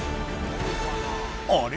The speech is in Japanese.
あれ？